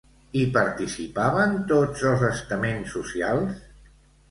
Hi participaven tots els estaments socials?